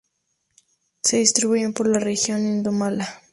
Se distribuyen por la región indomalaya.